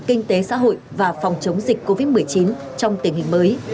kinh tế xã hội và phòng chống dịch covid một mươi chín trong tình hình mới